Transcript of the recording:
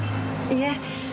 いえ。